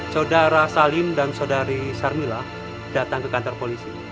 saudara salim dan saudari sarmilah datang ke kantar polisi